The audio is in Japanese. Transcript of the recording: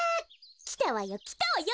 きたわよきたわよ。